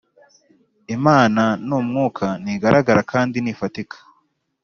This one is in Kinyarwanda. imana n’umwuka ntigaragara kandi ntifatika